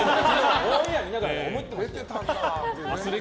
オンエア見ながら思ってましたよ。